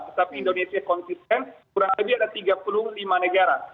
tetapi indonesia konsisten kurang lebih ada tiga puluh lima negara